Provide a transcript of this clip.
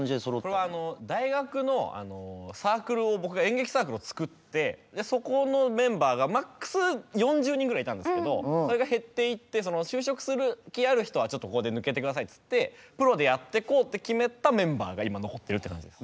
これは大学のサークルを僕が演劇サークルを作ってそこのメンバーがマックス４０人ぐらいいたんですけどそれが減っていって「就職する気ある人はここで抜けてください」っつってプロでやってこうって決めたメンバーが今残ってるって感じです。